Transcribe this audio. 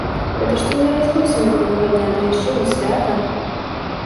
Гэта што за разбой сярод белага дня, ды яшчэ ў свята?!